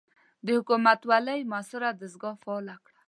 د حکومتوالۍ معاصره دستګاه فعاله کړه.